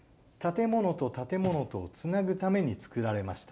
建物と建物とをつなぐためにつくられました。